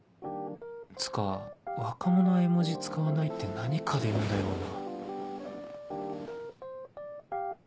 つか若者は絵文字使わないって何かで読んだような